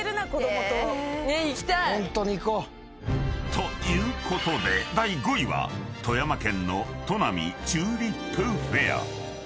［ということで第５位は富山県のとなみチューリップフェア］